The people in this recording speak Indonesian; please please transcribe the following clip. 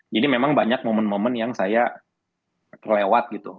jadi memang banyak momen momen yang saya terlewat gitu